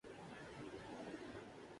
اس بار متحدہ قومی موومنٹ اس کے پیچھے ہے۔